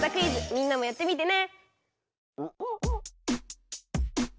みんなもやってみてね。